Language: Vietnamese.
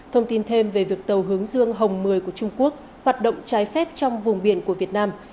thông tin thêm về việc tàu hướng dương hồng mười của trung quốc hoạt động trái phép trong vùng biển của việt nam